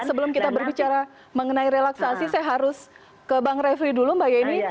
sebelum kita berbicara mengenai relaksasi saya harus ke bang refli dulu mbak yeni